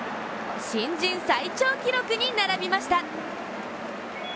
新人最長記録に並びました。